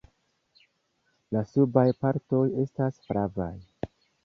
La subaj partoj estas flavaj.